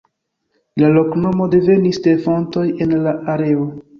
La loknomo devenis de fontoj en la areo.